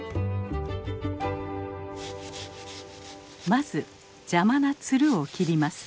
まず邪魔なつるを切ります。